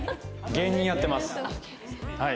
芸人やってますはい。